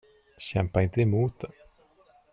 Kämpa inte emot det.